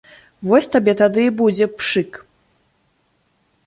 Вось табе тады і будзе пшык.